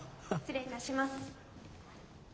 失礼いたします。